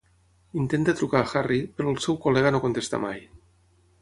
Intenta trucar a Harry, però el seu col·lega no contesta mai.